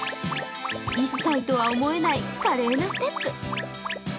１歳とは思えない華麗なステップ。